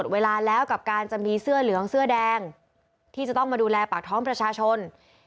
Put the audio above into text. เวลาแล้วกับการจะมีเสื้อเหลืองเสื้อแดงที่จะต้องมาดูแลปากท้องประชาชน